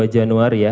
dua januari ya